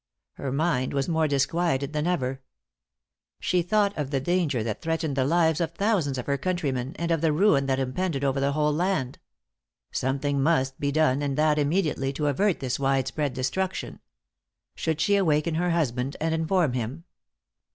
Her mind was more disquieted than ever. She thought of the danger that threatened the lives of thousands of her countrymen, and of the ruin that impended over the whole land. Something must be done, and that immediately, to avert this wide spread destruction. Should she awaken her husband and inform him?